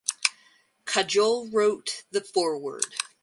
Kajol wrote the foreword.